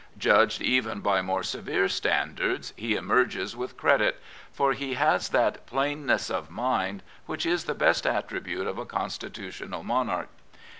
Judged even by more severe standards, he emerges with credit. For he has that plainness of mind which is the best attribute of a constitutional mon arch.